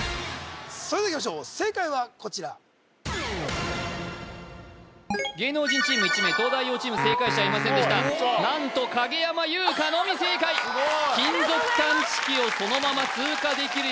それではいきましょう正解はこちら芸能人チーム１名東大王チーム正解者いませんでした何と影山優佳のみ正解ありがとうございます